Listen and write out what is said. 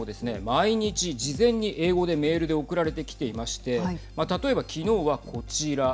毎日事前に英語でメールで送られてきていまして例えば、きのうは、こちら。